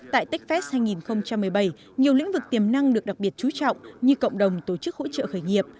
tại techfest hai nghìn một mươi bảy nhiều lĩnh vực tiềm năng được đặc biệt chú trọng như cộng đồng tổ chức hỗ trợ khởi nghiệp